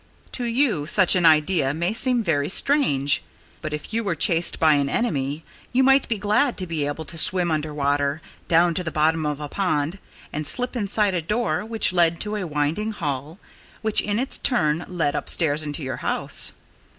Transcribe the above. To you such an idea may seem very strange. But if you were chased by an enemy you might be glad to be able to swim under water, down to the bottom of a pond, and slip inside a door which led to a winding hall, which in its turn led upwards into your house.